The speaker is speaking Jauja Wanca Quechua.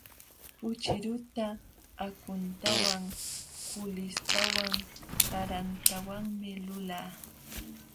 Puchiruta akhuntawan, kuulishtawan, karantawanmi lulaa.